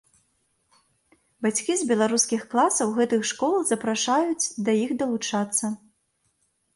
Бацькі з беларускіх класаў гэтых школ запрашаюць да іх далучацца.